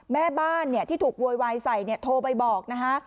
แม่บ้านเนี่ยที่ถูกววยวายใส่เนี่ยโทรไปบอกนะคะ